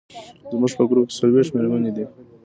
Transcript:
زموږ په ګروپ کې څلوېښت مېرمنې دي.